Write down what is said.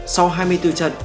sau hai mươi bốn trận